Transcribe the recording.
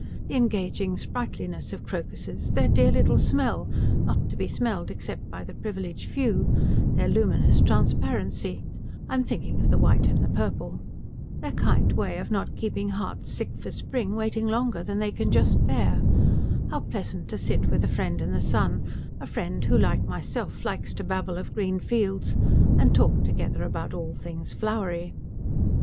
The engaging sprightliness of crocuses; their dear little smell, not to be smelled except by the privileged few; their luminous transparency I am thinking of the white and the purple; their kind way of not keeping hearts sick for Spring waiting longer than they can just bear; how pleasant to sit with a friend in the sun, a friend who like myself likes to babble of green fields, and talk together about all things flowery.